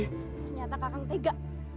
ternyata kakang tega